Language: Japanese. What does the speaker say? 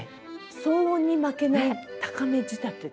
「騒音に負けない高め仕立て」。